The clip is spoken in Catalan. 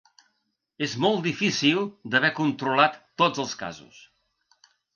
És molt difícil d’haver controlat tots els casos.